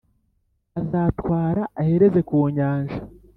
azatwara ahereze ku nyanja,